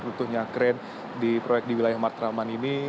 runtuhnya keren di wilayah markraman ini